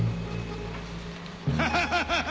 ハハハハハ！